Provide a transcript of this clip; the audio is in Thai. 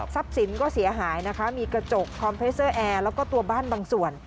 สินก็เสียหายนะคะมีกระจกคอมเพสเซอร์แอร์แล้วก็ตัวบ้านบางส่วน